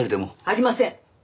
ありません！